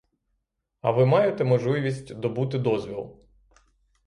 А ви маєте можливість добути дозвіл?